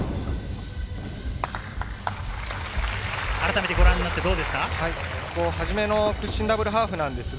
改めてご覧になってどうですか？